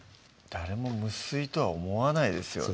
誰も無水とは思わないですよね